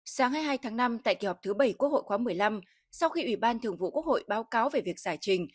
sáng hai mươi hai tháng năm tại kỳ họp thứ bảy quốc hội khóa một mươi năm sau khi ủy ban thường vụ quốc hội báo cáo về việc giải trình